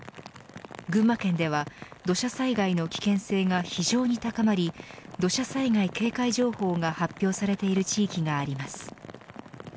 群馬県では土砂災害の危険性が非常に高まり土砂災害警戒情報が発表されている地域があります。